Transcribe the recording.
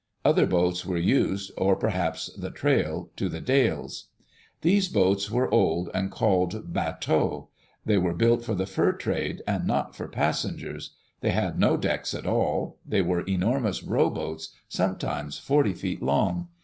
Other boats were used, or perhaps the trail, to The Dalles. These boats were old, and called bateaux. They were built for the fur trade and not for passengers. They had no decks at all. They were enormous rowboats, sometimes forty feet long.